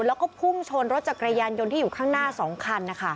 แล้วก็พุ่งชนรถจักรยานยนต์ที่อยู่ข้างหน้า๒คัน